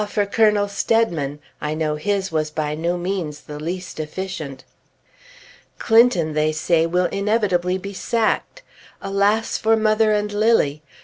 for Colonel Steadman! I know his was by no means the least efficient! Clinton, they say, will inevitably be sacked. Alas, for mother and Lilly!